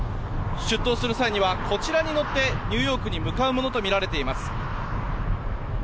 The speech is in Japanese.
出頭する際にはこちらに乗ってニューヨークに向かうものとみられています。